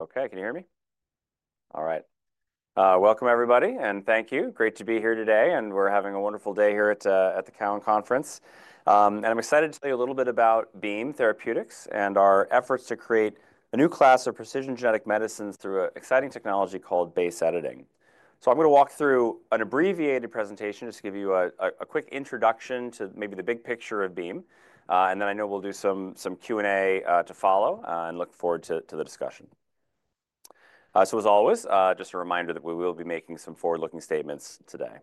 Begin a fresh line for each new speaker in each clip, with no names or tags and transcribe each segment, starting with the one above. Okay, can you hear me? All right. Welcome, everybody, and thank you. Great to be here today, and we're having a wonderful day here at the Cowen Conference. I'm excited to tell you a little bit about Beam Therapeutics and our efforts to create a new class of precision genetic medicines through an exciting technology called base editing. I'm going to walk through an abbreviated presentation just to give you a quick introduction to maybe the big picture of Beam. I know we'll do some Q&A to follow, and look forward to the discussion. As always, just a reminder that we will be making some forward-looking statements today.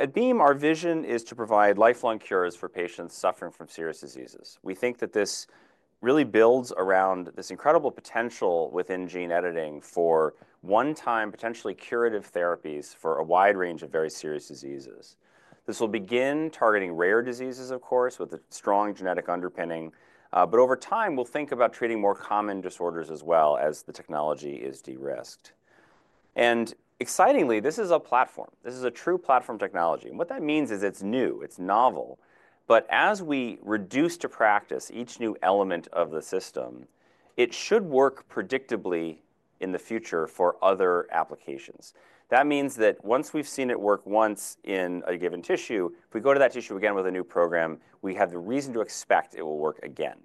At Beam, our vision is to provide lifelong cures for patients suffering from serious diseases. We think that this really builds around this incredible potential within gene editing for one-time, potentially curative therapies for a wide range of very serious diseases. This will begin targeting rare diseases, of course, with a strong genetic underpinning. Over time, we'll think about treating more common disorders as well as the technology is de-risked. Excitingly, this is a platform. This is a true platform technology. What that means is it's new, it's novel. As we reduce to practice each new element of the system, it should work predictably in the future for other applications. That means that once we've seen it work once in a given tissue, if we go to that tissue again with a new program, we have the reason to expect it will work again.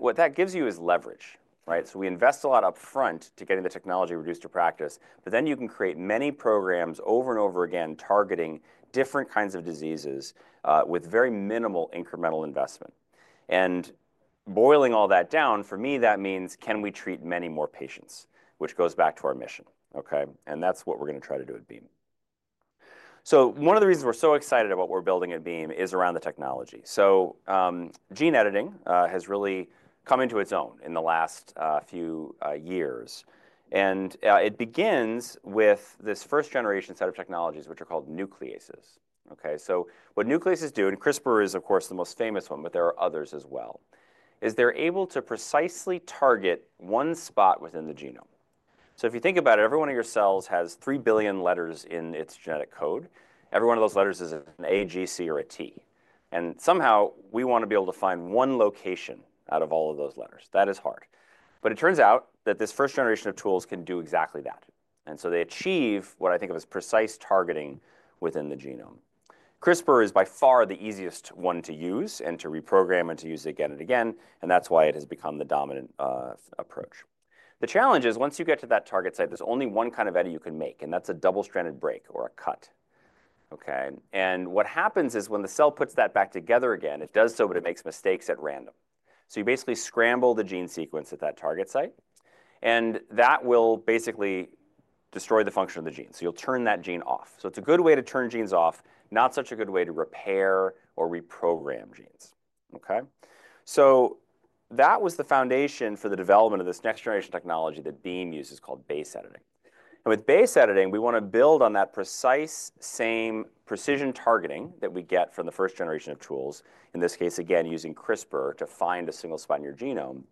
What that gives you is leverage, right? We invest a lot upfront to getting the technology reduced to practice, but then you can create many programs over and over again targeting different kinds of diseases with very minimal incremental investment. Boiling all that down, for me, that means can we treat many more patients, which goes back to our mission, okay? That is what we are going to try to do at Beam. One of the reasons we are so excited about what we are building at Beam is around the technology. Gene editing has really come into its own in the last few years. It begins with this first-generation set of technologies which are called nucleases, okay? What nucleases do, and CRISPR is, of course, the most famous one, but there are others as well, is they are able to precisely target one spot within the genome. If you think about it, every one of your cells has 3 billion letters in its genetic code. Every one of those letters is an A, G, C, or a T. Somehow, we want to be able to find one location out of all of those letters. That is hard. It turns out that this first-generation of tools can do exactly that. They achieve what I think of as precise targeting within the genome. CRISPR is by far the easiest one to use and to reprogram and to use again and again, and that's why it has become the dominant approach. The challenge is once you get to that target site, there's only one kind of edit you can make, and that's a double-stranded break or a cut, okay? What happens is when the cell puts that back together again, it does so, but it makes mistakes at random. You basically scramble the gene sequence at that target site, and that will basically destroy the function of the gene. You'll turn that gene off. It's a good way to turn genes off, not such a good way to repair or reprogram genes, okay? That was the foundation for the development of this next-generation technology that Beam uses called base editing. With base editing, we want to build on that same precision targeting that we get from the first-generation of tools, in this case, again, using CRISPR to find a single spot in your genome.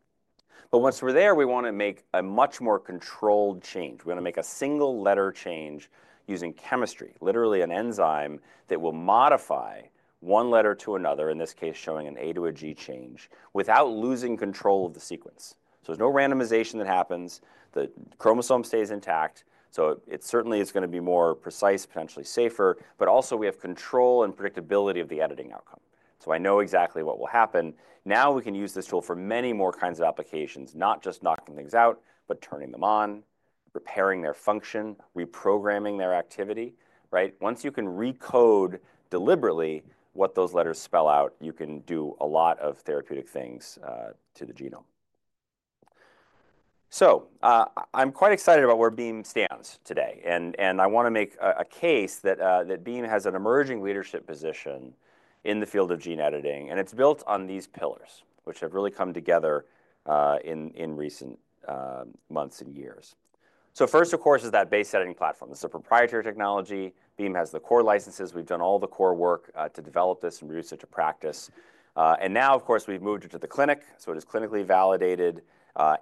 Once we're there, we want to make a much more controlled change. We want to make a single-letter change using chemistry, literally an enzyme that will modify one letter to another, in this case, showing an A to a G change, without losing control of the sequence. There is no randomization that happens. The chromosome stays intact. It certainly is going to be more precise, potentially safer, but also we have control and predictability of the editing outcome. I know exactly what will happen. Now we can use this tool for many more kinds of applications, not just knocking things out, but turning them on, repairing their function, reprogramming their activity, right? Once you can recode deliberately what those letters spell out, you can do a lot of therapeutic things to the genome. I am quite excited about where Beam stands today. I want to make a case that Beam has an emerging leadership position in the field of gene editing, and it's built on these pillars, which have really come together in recent months and years. First, of course, is that base editing platform. It's a proprietary technology. Beam has the core licenses. We've done all the core work to develop this and reduce it to practice. Now, of course, we've moved it to the clinic, so it is clinically validated,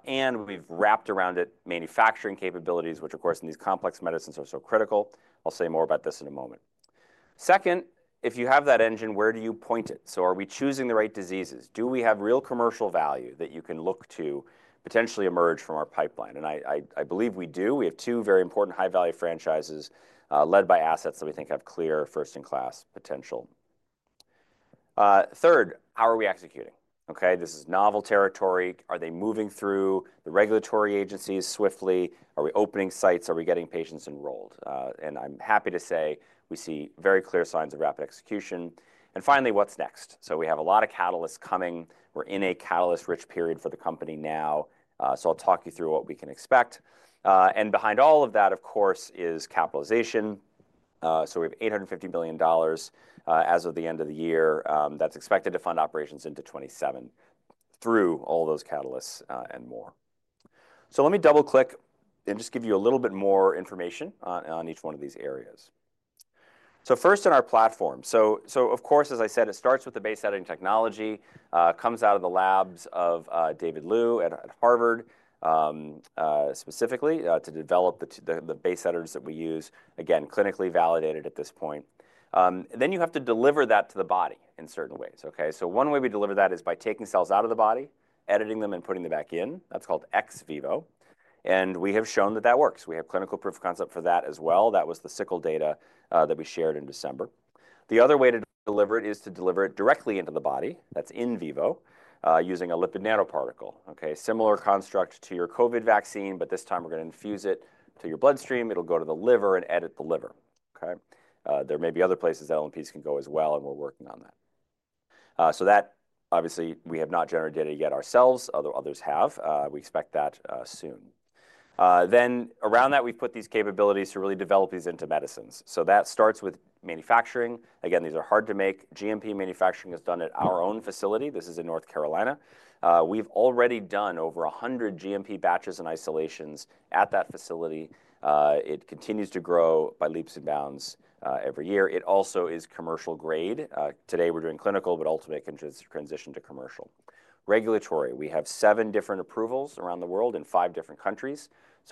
and we've wrapped around it manufacturing capabilities, which, of course, in these complex medicines are so critical. I'll say more about this in a moment. Second, if you have that engine, where do you point it? Are we choosing the right diseases? Do we have real commercial value that you can look to potentially emerge from our pipeline? I believe we do. We have two very important high-value franchises led by assets that we think have clear first-in-class potential. Third, how are we executing? Okay, this is novel territory. Are they moving through the regulatory agencies swiftly? Are we opening sites? Are we getting patients enrolled? I'm happy to say we see very clear signs of rapid execution. Finally, what's next? We have a lot of catalysts coming. We're in a catalyst-rich period for the company now. I'll talk you through what we can expect. Behind all of that, of course, is capitalization. We have $850 million as of the end of the year that's expected to fund operations into 2027 through all those catalysts and more. Let me double-click and just give you a little bit more information on each one of these areas. First, in our platform, as I said, it starts with the base editing technology, comes out of the labs of David Liu at Harvard, specifically to develop the base editors that we use, again, clinically validated at this point. You have to deliver that to the body in certain ways, okay? One way we deliver that is by taking cells out of the body, editing them, and putting them back in. That's called ex vivo. We have shown that that works. We have clinical proof of concept for that as well. That was the sickle data that we shared in December. The other way to deliver it is to deliver it directly into the body. That's in vivo using a lipid nanoparticle, okay? Similar construct to your COVID vaccine, but this time we're going to infuse it to your bloodstream. It'll go to the liver and edit the liver, okay? There may be other places that LNPs can go as well, and we're working on that. Obviously, we have not generated data yet ourselves. Others have. We expect that soon. Around that, we've put these capabilities to really develop these into medicines. That starts with manufacturing. Again, these are hard to make. GMP manufacturing is done at our own facility. This is in North Carolina. We've already done over 100 GMP batches and isolations at that facility. It continues to grow by leaps and bounds every year. It also is commercial grade. Today, we're doing clinical, but ultimately, it can transition to commercial. Regulatory, we have seven different approvals around the world in five different countries.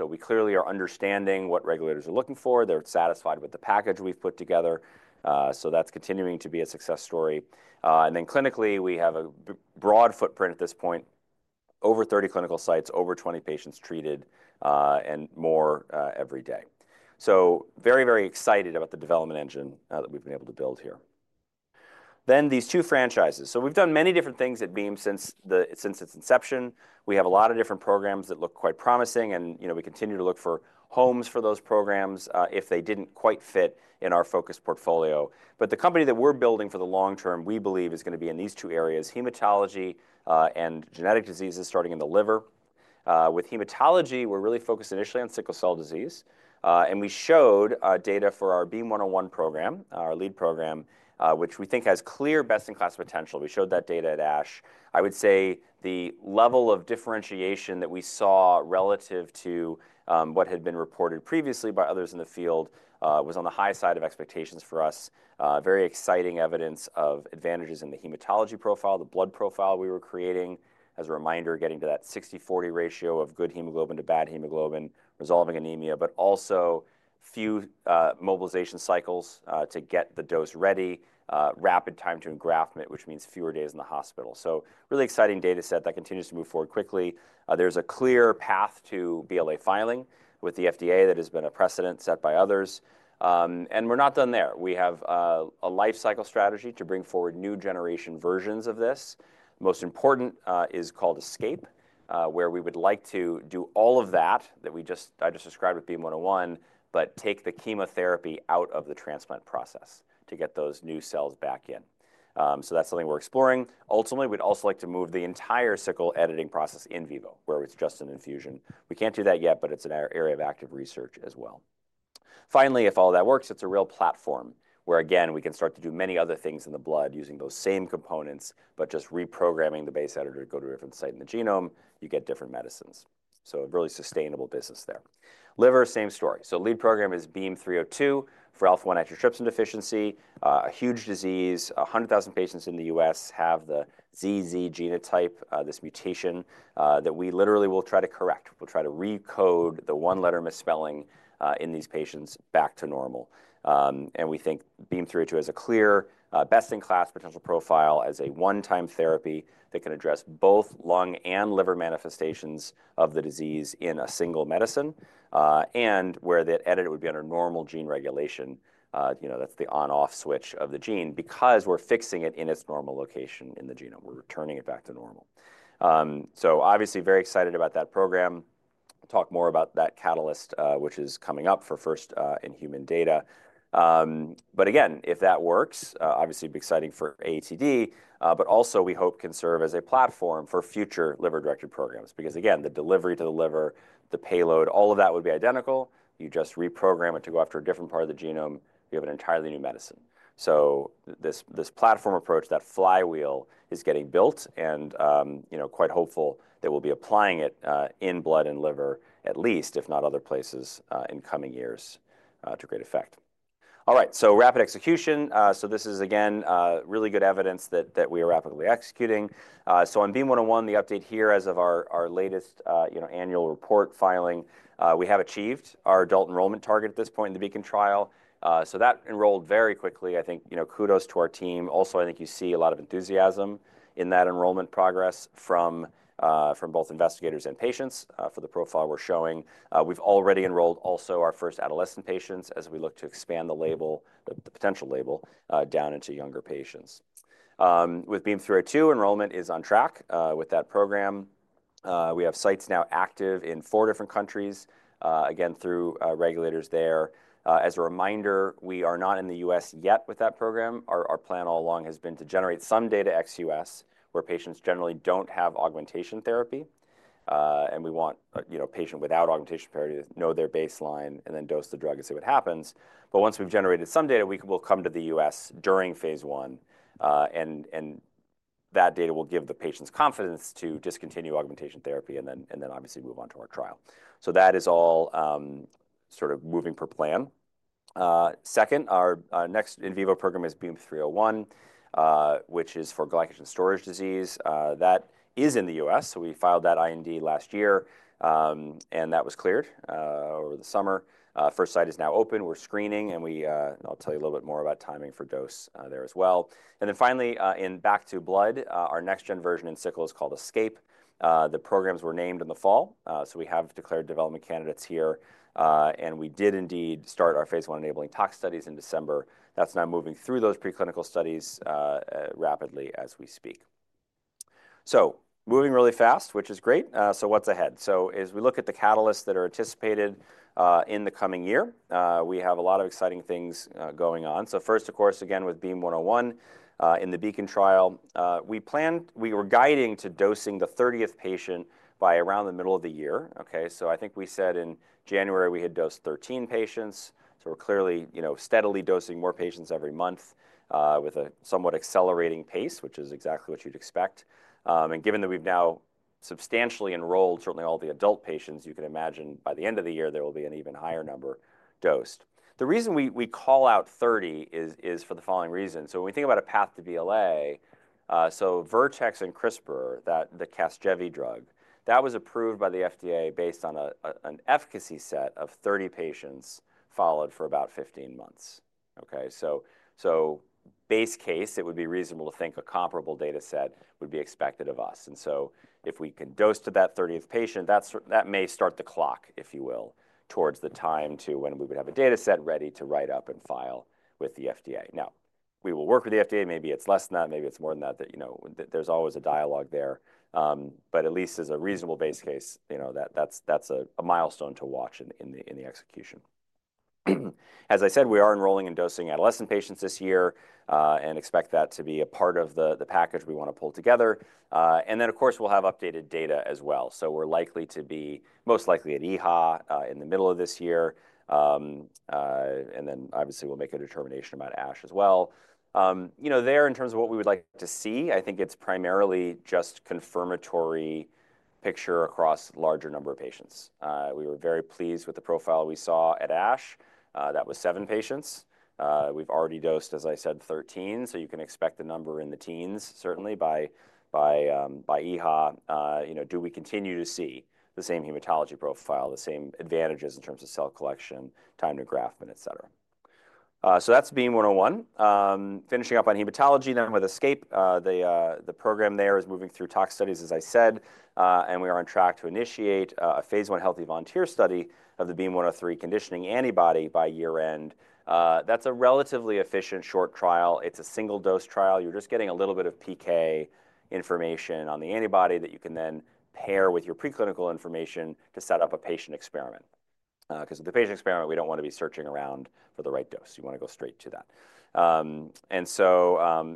We clearly are understanding what regulators are looking for. They're satisfied with the package we've put together. That's continuing to be a success story. Clinically, we have a broad footprint at this point, over 30 clinical sites, over 20 patients treated, and more every day. Very, very excited about the development engine that we've been able to build here. These two franchises. We've done many different things at Beam since its inception. We have a lot of different programs that look quite promising, and we continue to look for homes for those programs if they didn't quite fit in our focus portfolio. The company that we're building for the long term, we believe, is going to be in these two areas, hematology and genetic diseases starting in the liver. With hematology, we're really focused initially on sickle cell disease. We showed data for our BEAM-101 program, our lead program, which we think has clear best-in-class potential. We showed that data at ASH. I would say the level of differentiation that we saw relative to what had been reported previously by others in the field was on the high side of expectations for us. Very exciting evidence of advantages in the hematology profile, the blood profile we were creating, as a reminder, getting to that 60/40 ratio of good hemoglobin to bad hemoglobin, resolving anemia, but also few mobilization cycles to get the dose ready, rapid time to engraftment, which means fewer days in the hospital. Really exciting data set that continues to move forward quickly. There is a clear path to BLA filing with the FDA that has been a precedent set by others. We are not done there. We have a lifecycle strategy to bring forward new generation versions of this. Most important is called Escape, where we would like to do all of that that I just described with BEAM-101, but take the chemotherapy out of the transplant process to get those new cells back in. That is something we're exploring. Ultimately, we'd also like to move the entire sickle editing process in vivo, where it's just an infusion. We can't do that yet, but it's an area of active research as well. Finally, if all that works, it's a real platform where, again, we can start to do many other things in the blood using those same components, but just reprogramming the base editor to go to a different site in the genome, you get different medicines. A really sustainable business there. Liver, same story. Lead program is BEAM-302 for alpha-1 antitrypsin deficiency, a huge disease. 100,000 patients in the U.S. have the ZZ genotype, this mutation that we literally will try to correct. We'll try to recode the one-letter misspelling in these patients back to normal. We think BEAM-302 has a clear best-in-class potential profile as a one-time therapy that can address both lung and liver manifestations of the disease in a single medicine. Where that editor would be under normal gene regulation, that's the on-off switch of the gene because we're fixing it in its normal location in the genome. We're returning it back to normal. Obviously, very excited about that program. Talk more about that catalyst, which is coming up for first-in-human data. If that works, obviously, it'd be exciting for AATD, but also we hope can serve as a platform for future liver-directed programs because, again, the delivery to the liver, the payload, all of that would be identical. You just reprogram it to go after a different part of the genome. You have an entirely new medicine. This platform approach, that flywheel, is getting built and quite hopeful that we'll be applying it in blood and liver, at least, if not other places in coming years to great effect. All right, rapid execution. This is, again, really good evidence that we are rapidly executing. On BEAM-101, the update here as of our latest annual report filing, we have achieved our adult enrollment target a=t this point in the BEACON trial. That enrolled very quickly. I think kudos to our team. Also, I think you see a lot of enthusiasm in that enrollment progress from both investigators and patients for the profile we're showing. We've already enrolled also our first adolescent patients as we look to expand the potential label down into younger patients. With BEAM-302, enrollment is on track with that program. We have sites now active in four different countries, again, through regulators there. As a reminder, we are not in the U.S. yet with that program. Our plan all along has been to generate some data ex U.S. where patients generally don't have augmentation therapy. And we want a patient without augmentation therapy to know their baseline and then dose the drug and see what happens. Once we've generated some data, we will come to the U.S. during phase I, and that data will give the patients confidence to discontinue augmentation therapy and then obviously move on to our trial. That is all sort of moving per plan. Second, our next in vivo program is BEAM-301, which is for glycogen storage disease. That is in the U.S. We filed that IND last year, and that was cleared over the summer. First site is now open. We're screening, and I'll tell you a little bit more about timing for dose there as well. Finally, back to blood, our next-gen version in sickle is called Escape. The programs were named in the fall. We have declared development candidates here, and we did indeed start our phase one enabling tox studies in December. That's now moving through those preclinical studies rapidly as we speak. Moving really fast, which is great. What's ahead? As we look at the catalysts that are anticipated in the coming year, we have a lot of exciting things going on. First, of course, again, with BEAM-101 in the BEACON trial, we were guiding to dosing the 30th patient by around the middle of the year, okay? I think we said in January we had dosed 13 patients. We're clearly steadily dosing more patients every month with a somewhat accelerating pace, which is exactly what you'd expect. Given that we've now substantially enrolled certainly all the adult patients, you can imagine by the end of the year there will be an even higher number dosed. The reason we call out 30 is for the following reason. When we think about a path to BLA, Vertex and CRISPR, the CASGEVY drug, that was approved by the FDA based on an efficacy set of 30 patients followed for about 15 months, okay? Base case, it would be reasonable to think a comparable data set would be expected of us. If we can dose to that 30th patient, that may start the clock, if you will, towards the time to when we would have a data set ready to write up and file with the FDA. We will work with the FDA. Maybe it's less than that. Maybe it's more than that. There's always a dialogue there. At least as a reasonable base case, that's a milestone to watch in the execution. As I said, we are enrolling and dosing adolescent patients this year and expect that to be a part of the package we want to pull together. Of course, we will have updated data as well. We are likely to be most likely at EHA in the middle of this year. Obviously, we will make a determination about ASH as well. There, in terms of what we would like to see, I think it is primarily just confirmatory picture across a larger number of patients. We were very pleased with the profile we saw at ASH. That was seven patients. We have already dosed, as I said, 13. You can expect the number in the teens, certainly, by EHA. Do we continue to see the same hematology profile, the same advantages in terms of cell collection, time to engraftment, etc.? That is BEAM-101. Finishing up on hematology, then with Escape, the program there is moving through tox studies, as I said, and we are on track to initiate a phase I healthy volunteer study of the BEAM-103 conditioning antibody by year-end. That is a relatively efficient short trial. It is a single-dose trial. You are just getting a little bit of PK information on the antibody that you can then pair with your preclinical information to set up a patient experiment. Because with the patient experiment, we do not want to be searching around for the right dose. You want to go straight to that.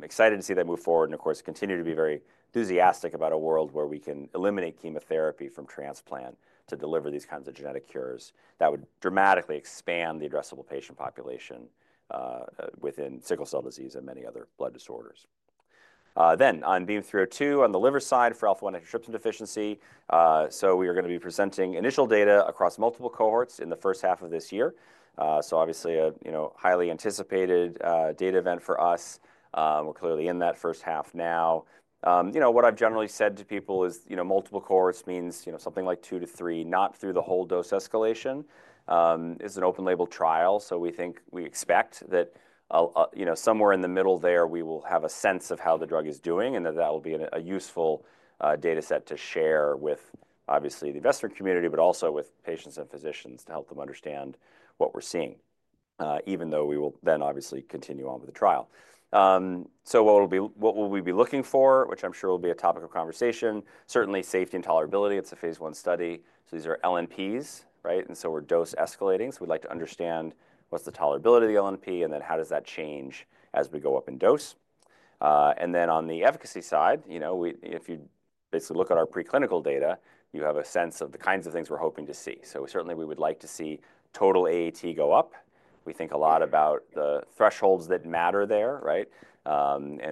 Excited to see that move forward and, of course, continue to be very enthusiastic about a world where we can eliminate chemotherapy from transplant to deliver these kinds of genetic cures that would dramatically expand the addressable patient population within sickle cell disease and many other blood disorders. On BEAM-302, on the liver side for alpha-1 antitrypsin deficiency, we are going to be presenting initial data across multiple cohorts in the first half of this year. Obviously, a highly anticipated data event for us. We are clearly in that first half now. What I have generally said to people is multiple cohorts means something like two to three, not through the whole dose escalation. It is an open-label trial. We think we expect that somewhere in the middle there, we will have a sense of how the drug is doing and that that will be a useful data set to share with, obviously, the investment community, but also with patients and physicians to help them understand what we are seeing, even though we will then, obviously, continue on with the trial. What will we be looking for, which I am sure will be a topic of conversation? Certainly, safety and tolerability. It's a phase I study. These are LNPs, right? We are dose escalating. We would like to understand what is the tolerability of the LNP and then how that changes as we go up in dose. On the efficacy side, if you basically look at our preclinical data, you have a sense of the kinds of things we are hoping to see. Certainly, we would like to see total AAT go up. We think a lot about the thresholds that matter there, right?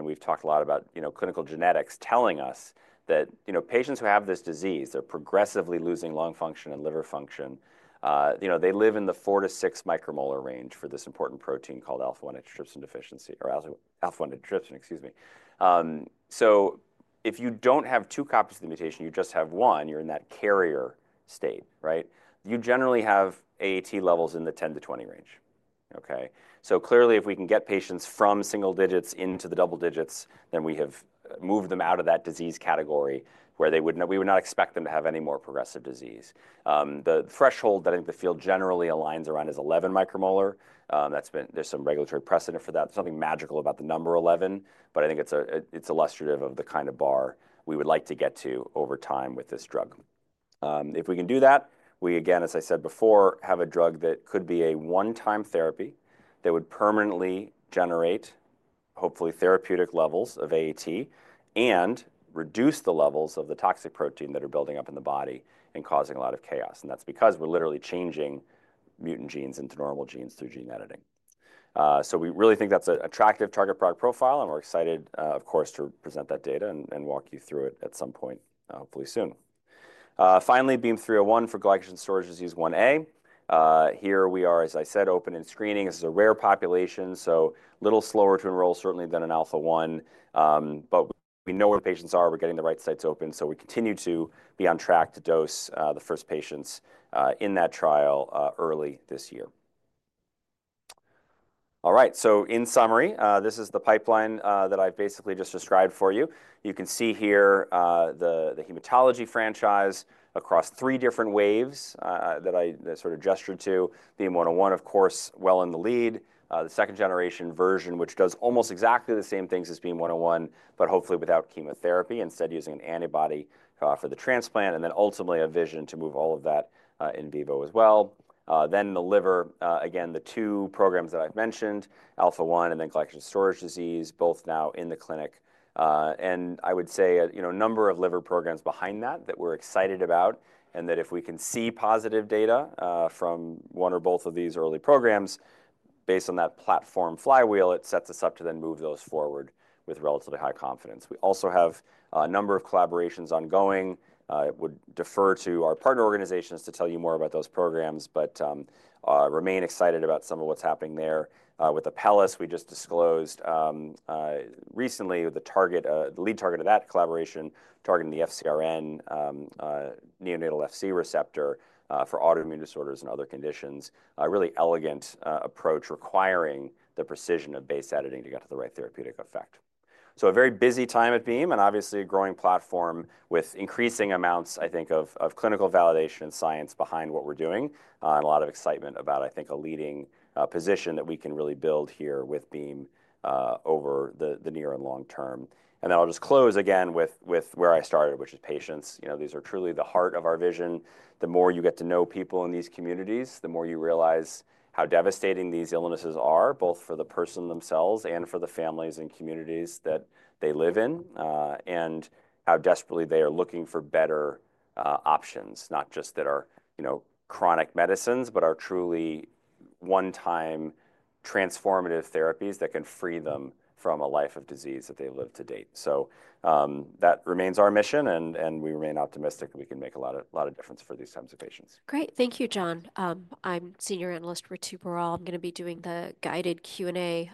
We have talked a lot about clinical genetics telling us that patients who have this disease are progressively losing lung function and liver function. They live in the 4-6 micromolar range for this important protein called alpha-1 antitrypsin deficiency or alpha-1 antitrypsin, excuse me. If you do not have two copies of the mutation, you just have one, you are in that carrier state, right? You generally have AAT levels in the 10-20 range, okay? Clearly, if we can get patients from single digits into the double digits, then we have moved them out of that disease category where we would not expect them to have any more progressive disease. The threshold that I think the field generally aligns around is 11 micromolar. There is some regulatory precedent for that. There is nothing magical about the number 11, but I think it is illustrative of the kind of bar we would like to get to over time with this drug. If we can do that, we, again, as I said before, have a drug that could be a one-time therapy that would permanently generate, hopefully, therapeutic levels of AAT and reduce the levels of the toxic protein that are building up in the body and causing a lot of chaos. That is because we are literally changing mutant genes into normal genes through gene editing. We really think that is an attractive target product profile, and we are excited, of course, to present that data and walk you through it at some point, hopefully soon. Finally, BEAM-301 for glycogen storage disease 1a. Here we are, as I said, open in screening. This is a rare population, so a little slower to enroll, certainly, than an alpha-1, but we know where the patients are. We are getting the right sites open. We continue to be on track to dose the first patients in that trial early this year. All right, in summary, this is the pipeline that I have basically just described for you. You can see here the hematology franchise across three different waves that I sort of gestured to. BEAM-101, of course, well in the lead. The second-generation version, which does almost exactly the same things as BEAM-101, but hopefully without chemotherapy, instead using an antibody for the transplant, and ultimately a vision to move all of that in vivo as well. The liver, again, the two programs that I have mentioned, alpha-1 and then glycogen storage disease, both now in the clinic. I would say a number of liver programs behind that that we're excited about and that if we can see positive data from one or both of these early programs, based on that platform flywheel, it sets us up to then move those forward with relatively high confidence. We also have a number of collaborations ongoing. I would defer to our partner organizations to tell you more about those programs, but remain excited about some of what's happening there with the Apellis we just disclosed recently with the lead target of that collaboration targeting the FCRN neonatal FC receptor for autoimmune disorders and other conditions. A really elegant approach requiring the precision of base editing to get to the right therapeutic effect. A very busy time at Beam and obviously a growing platform with increasing amounts, I think, of clinical validation and science behind what we're doing and a lot of excitement about, I think, a leading position that we can really build here with Beam over the near and long term. I'll just close again with where I started, which is patients. These are truly the heart of our vision. The more you get to know people in these communities, the more you realize how devastating these illnesses are, both for the person themselves and for the families and communities that they live in and how desperately they are looking for better options, not just that are chronic medicines, but are truly one-time transformative therapies that can free them from a life of disease that they've lived to date. That remains our mission, and we remain optimistic we can make a lot of difference for these kinds of patients.
Great. Thank you, John. I'm Senior Analyst Ritu Baral. I'm going to be doing the guided Q&A,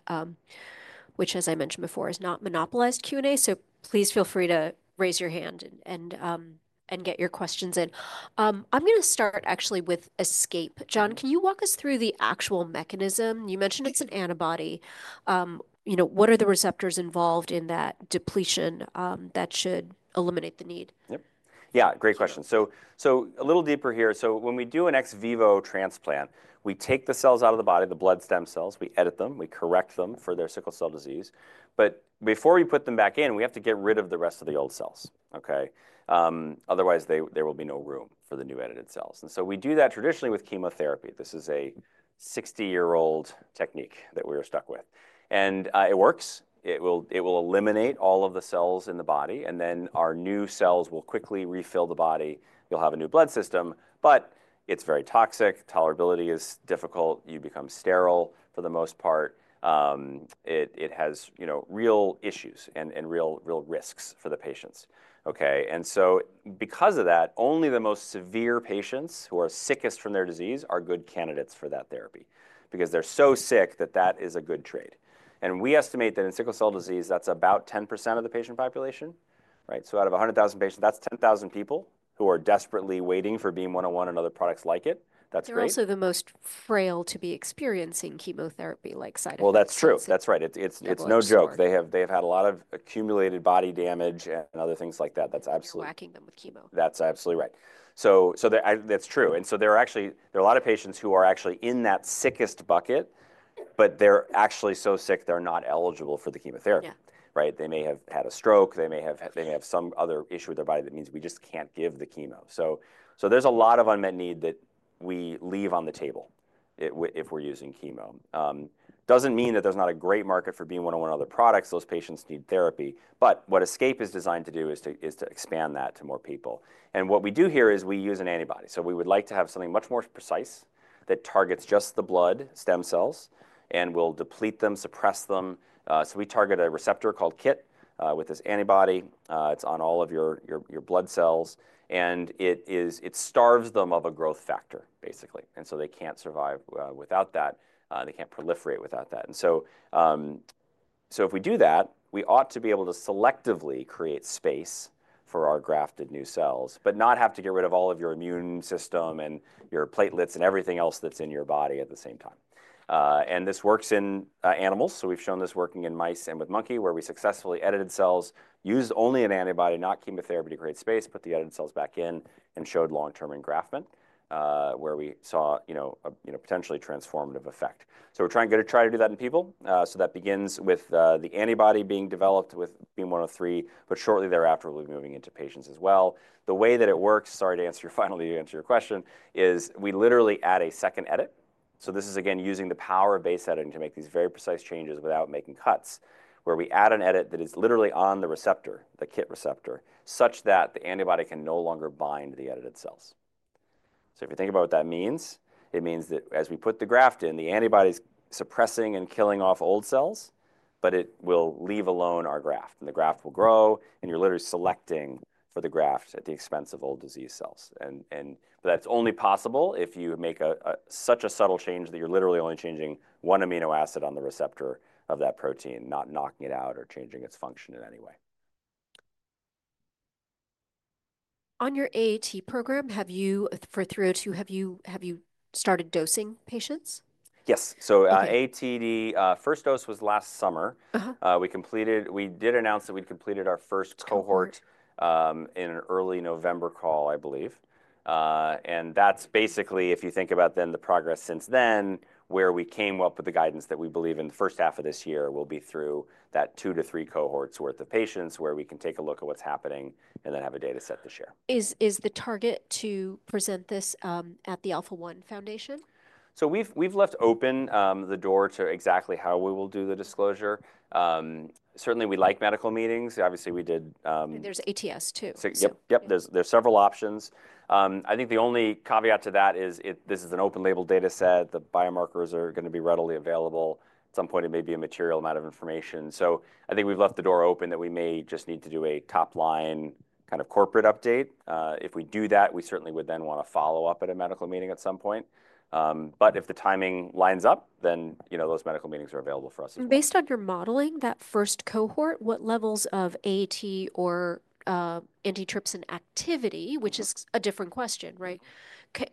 which, as I mentioned before, is not monopolized Q&A. Please feel free to raise your hand and get your questions in. I'm going to start actually with Escape. John, can you walk us through the actual mechanism? You mentioned it's an antibody. What are the receptors involved in that depletion that should eliminate the need?
Yep. Yeah, great question. A little deeper here. When we do an ex vivo transplant, we take the cells out of the body, the blood stem cells, we edit them, we correct them for their sickle cell disease. Before we put them back in, we have to get rid of the rest of the old cells, okay? Otherwise, there will be no room for the new edited cells. We do that traditionally with chemotherapy. This is a 60-year-old technique that we are stuck with. It works. It will eliminate all of the cells in the body, and then our new cells will quickly refill the body. You'll have a new blood system, but it's very toxic. Tolerability is difficult. You become sterile for the most part. It has real issues and real risks for the patients, okay? Because of that, only the most severe patients who are sickest from their disease are good candidates for that therapy because they're so sick that that is a good trade. We estimate that in sickle cell disease, that's about 10% of the patient population, right? Out of 100,000 patients, that's 10,000 people who are desperately waiting for BEAM-101 and other products like it. That's great.
They're also the most frail to be experiencing chemotherapy-like side effects.
That's true. That's right. It's no joke. They have had a lot of accumulated body damage and other things like that. That's absolutely.
You're whacking them with chemo.
That's absolutely right. That's true. There are actually a lot of patients who are actually in that sickest bucket, but they're actually so sick they're not eligible for the chemotherapy, right? They may have had a stroke. They may have some other issue with their body that means we just can't give the chemo. There's a lot of unmet need that we leave on the table if we're using chemo. That doesn't mean that there's not a great market for BEAM-101 and other products. Those patients need therapy. What Escape is designed to do is to expand that to more people. What we do here is we use an antibody. We would like to have something much more precise that targets just the blood stem cells and will deplete them, suppress them. We target a receptor called KIT with this antibody. It's on all of your blood cells. It starves them of a growth factor, basically. They can't survive without that. They can't proliferate without that. If we do that, we ought to be able to selectively create space for our grafted new cells, but not have to get rid of all of your immune system and your platelets and everything else that's in your body at the same time. This works in animals. We've shown this working in mice and with monkey where we successfully edited cells, used only an antibody, not chemotherapy to create space, put the edited cells back in, and showed long-term engraftment where we saw a potentially transformative effect. We're trying to try to do that in people. That begins with the antibody being developed with BEAM-103, but shortly thereafter, we'll be moving into patients as well. The way that it works, sorry to answer your final answer to your question, is we literally add a second edit. This is, again, using the power of base editing to make these very precise changes without making cuts where we add an edit that is literally on the receptor, the KIT receptor, such that the antibody can no longer bind the edited cells. If you think about what that means, it means that as we put the graft in, the antibody's suppressing and killing off old cells, but it will leave alone our graft. The graft will grow, and you're literally selecting for the graft at the expense of old disease cells. That's only possible if you make such a subtle change that you're literally only changing one amino acid on the receptor of that protein, not knocking it out or changing its function in any way.
On your AAT program, for 302, have you started dosing patients?
Yes. AATD, first dose was last summer. We did announce that we'd completed our first cohort in an early November call, I believe. If you think about then the progress since then, where we came up with the guidance that we believe in the first half of this year we will be through that two to three cohorts' worth of patients where we can take a look at what's happening and then have a data set to share.
Is the target to present this at the Alpha-1 Foundation?
We have left open the door to exactly how we will do the disclosure. Certainly, we like medical meetings. Obviously, we did.
There's ATS too.
Yep. Yep. There are several options. I think the only caveat to that is this is an open-label data set. The biomarkers are going to be readily available. At some point, it may be a material amount of information. I think we have left the door open that we may just need to do a top-line kind of corporate update. If we do that, we certainly would then want to follow up at a medical meeting at some point. If the timing lines up, those medical meetings are available for us as well.
Based on your modeling, that first cohort, what levels of AAT or antitrypsin activity, which is a different question, right?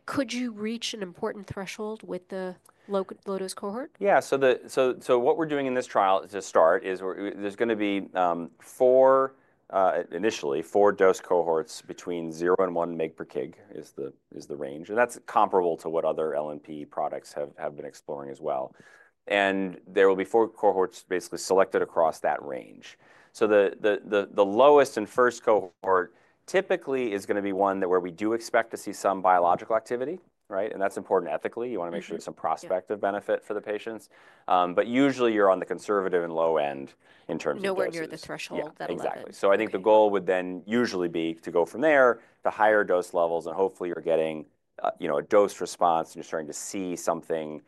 Could you reach an important threshold with the low-dose cohort?
Yeah. What we're doing in this trial to start is there's going to be initially four dose cohorts between zero and 1 mg per kg is the range. That's comparable to what other LNP products have been exploring as well. There will be four cohorts basically selected across that range. The lowest and first cohort typically is going to be one where we do expect to see some biological activity, right? That's important ethically. You want to make sure there's some prospect of benefit for the patients. Usually, you're on the conservative and low end in terms of dose.
You know where you're at the threshold that allows.
Exactly. I think the goal would then usually be to go from there to higher dose levels, and hopefully, you're getting a dose response, and you're starting to see something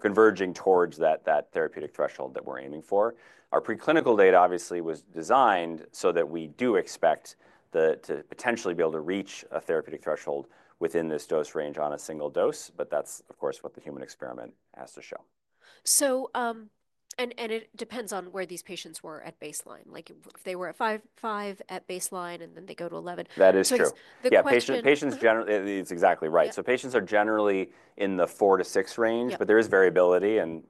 converging towards that therapeutic threshold that we're aiming for. Our preclinical data, obviously, was designed so that we do expect to potentially be able to reach a therapeutic threshold within this dose range on a single dose, but that's, of course, what the human experiment has to show.
It depends on where these patients were at baseline. If they were at 5, 5 at baseline, and then they go to 11.
That is true. Yeah, patients generally, it's exactly right. Patients are generally in the four to six range, but there is variability, and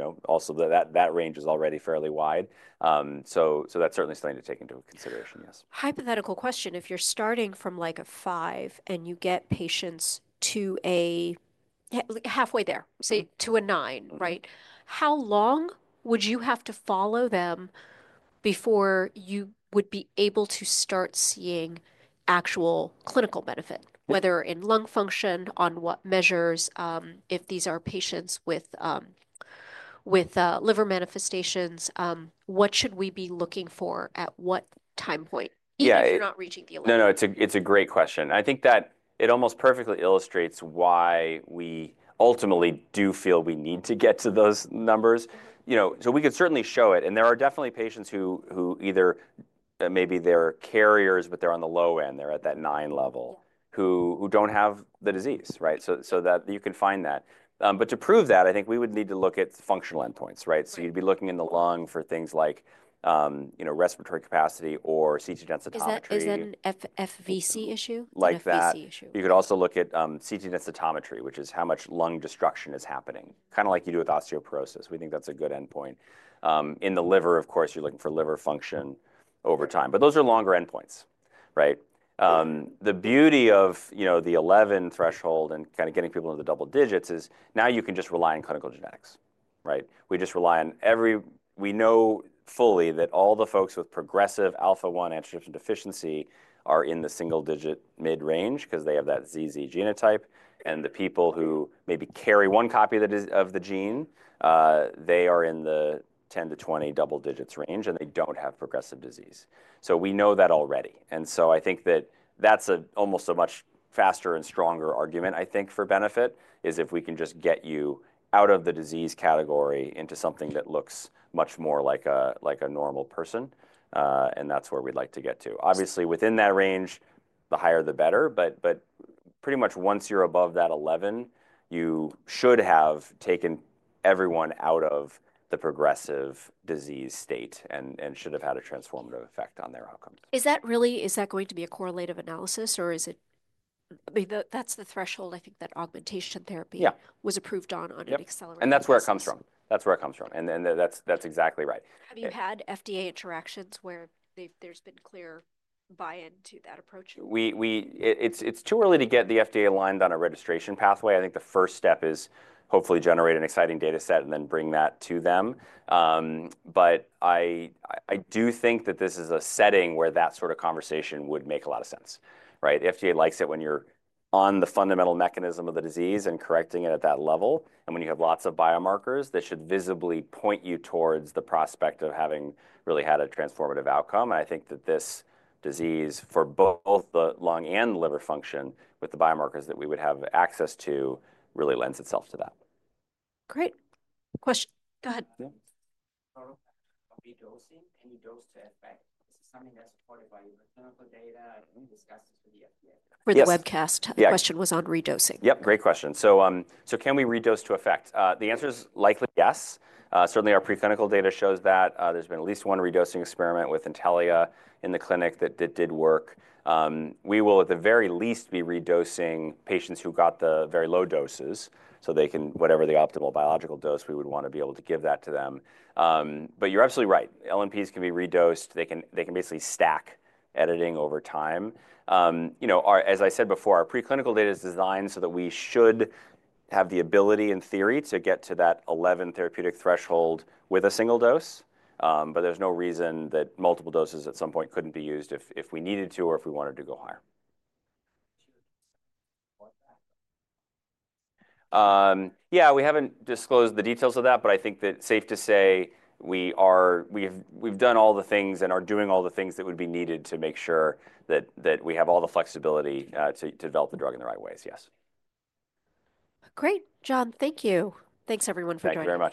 also that range is already fairly wide. That is certainly something to take into consideration, yes.
Hypothetical question. If you're starting from like a 5 and you get patients to a halfway there, say to a 9, right? How long would you have to follow them before you would be able to start seeing actual clinical benefit, whether in lung function, on what measures, if these are patients with liver manifestations, what should we be looking for at what time point? Even if you're not reaching the 11.
No, no. It's a great question. I think that it almost perfectly illustrates why we ultimately do feel we need to get to those numbers. We could certainly show it. There are definitely patients who either maybe they're carriers, but they're on the low end. They're at that 9 level who don't have the disease, right? You can find that. To prove that, I think we would need to look at functional endpoints, right? You'd be looking in the lung for things like respiratory capacity or CT densitometry.
Is that an FVC issue?
Like that. You could also look at CT densitometry, which is how much lung destruction is happening, kind of like you do with osteoporosis. We think that's a good endpoint. In the liver, of course, you're looking for liver function over time. Those are longer endpoints, right? The beauty of the 11 threshold and kind of getting people into the double digits is now you can just rely on clinical genetics, right? We just rely on every we know fully that all the folks with progressive alpha-1 antitrypsin deficiency are in the single-digit mid-range because they have that ZZ genotype. The people who maybe carry one copy of the gene, they are in the 10-20 double digits range, and they don't have progressive disease. We know that already. I think that that's almost a much faster and stronger argument, I think, for benefit is if we can just get you out of the disease category into something that looks much more like a normal person. That's where we'd like to get to. Obviously, within that range, the higher, the better. Pretty much once you're above that 11, you should have taken everyone out of the progressive disease state and should have had a transformative effect on their outcome.
Is that going to be a correlative analysis, or is it that's the threshold, I think, that augmentation therapy was approved on on an accelerated basis?
Yeah. That's where it comes from. That's exactly right.
Have you had FDA interactions where there's been clear buy-in to that approach?
It's too early to get the FDA lined on a registration pathway. I think the first step is hopefully generate an exciting data set and then bring that to them. I do think that this is a setting where that sort of conversation would make a lot of sense, right? The FDA likes it when you're on the fundamental mechanism of the disease and correcting it at that level. When you have lots of biomarkers, that should visibly point you towards the prospect of having really had a transformative outcome. I think that this disease, for both the lung and liver function, with the biomarkers that we would have access to, really lends itself to that.
Great. Question. Go ahead. Redosing, any dose to effect? Is this something that's supported by your clinical data? We discussed this with the FDA. For the webcast, the question was on redosing.
Great question. Can we redose to effect? The answer is likely yes. Certainly, our preclinical data shows that there has been at least one redosing experiment with Intellia in the clinic that did work. We will, at the very least, be redosing patients who got the very low doses so they can whatever the optimal biological dose, we would want to be able to give that to them. You are absolutely right. LNPs can be redosed. They can basically stack editing over time. As I said before, our preclinical data is designed so that we should have the ability, in theory, to get to that 11 therapeutic threshold with a single dose. There is no reason that multiple doses at some point could not be used if we needed to or if we wanted to go higher. Yeah, we haven't disclosed the details of that, but I think that's safe to say we've done all the things and are doing all the things that would be needed to make sure that we have all the flexibility to develop the drug in the right ways, yes.
Great. John, thank you. Thanks, everyone, for joining.